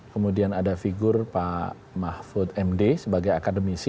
kemudian ada figur pak mahfud md sebagai akademisi